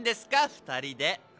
２人で。